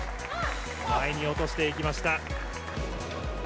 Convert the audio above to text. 前に落としていきました。